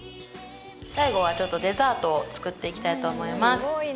最後はちょっとデザートを作って行きたいと思います。